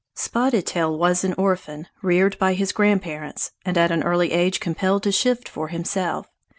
Spotted Tail was an orphan, reared by his grandparents, and at an early age compelled to shift for himself.